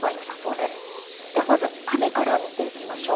では、まず雨から見ていきましょう。